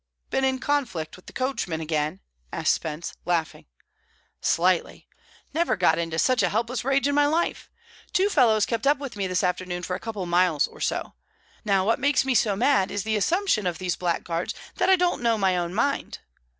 "Been in conflict with coachmen again?" asked Spence, laughing. "Slightly! Never got into such a helpless rage in my life. Two fellows kept up with me this afternoon for a couple of miles or so. Now, what makes me so mad is the assumption of these blackguards that I don't know my own mind.